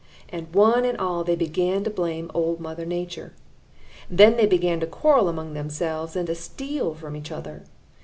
And one and all they began to blame Old Mother Nature. Then they began to quarrel among themselves and to steal from each other.